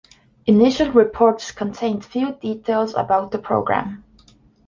Initial reports contained few details about the program.